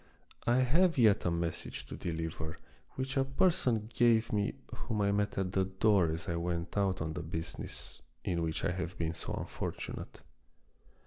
I have yet a message to deliver which a person gave me whom I met at the door as I went out on the business in which I have been so unfortunate.